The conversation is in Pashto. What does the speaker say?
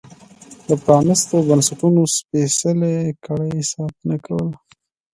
د پرانیستو بنسټونو سپېڅلې کړۍ ساتنه کوله.